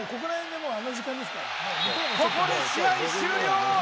ここで試合終了。